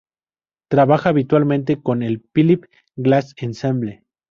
Trabaja habitualmente con el Philip Glass Ensemble.